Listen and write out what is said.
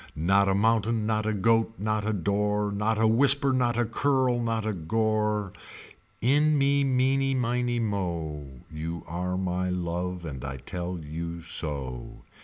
Not a mountain not a goat not a door. Not a whisper not a curl not a gore In me meeney miney mo. You are my love and I tell you so.